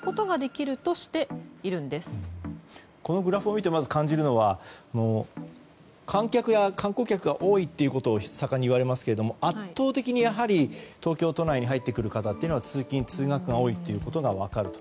まず、このグラフを見て感じるのは観客や観光客が多いということを盛んに言われますが圧倒的に東京都内に入ってくる方は通勤・通学が多いということが分かると。